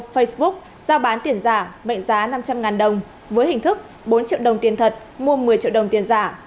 facebook giao bán tiền giả mệnh giá năm trăm linh đồng với hình thức bốn triệu đồng tiền thật mua một mươi triệu đồng tiền giả